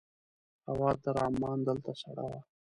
هوا تر عمان دلته سړه وه.